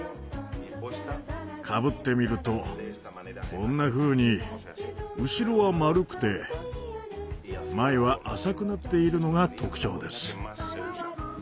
かぶってみるとこんなふうに後ろは丸くて前は浅くなっているのが特徴です。